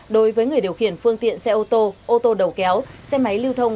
đối với người điều khiển phương tiện xe ô tô ô tô đầu kéo xe máy lưu thông